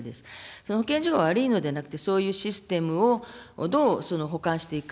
その保健所が悪いのではなくて、そういうシステムをどう補完していくか。